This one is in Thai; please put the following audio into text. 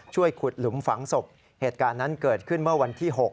ช่วยขุดหลุมฝังศพเหตุการณ์นั้นเกิดขึ้นเมื่อวันที่๖